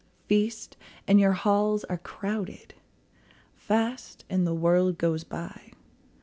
Feast, and your halls are crowded; Fast, and the world goes by.